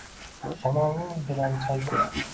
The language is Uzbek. Shamolning belanchagi